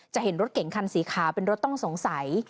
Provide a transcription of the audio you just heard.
เห็นรถเก่งคันสีขาวเป็นรถต้องสงสัย